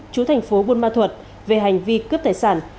chú thành phố buôn ma thuật về hành vi cướp tài sản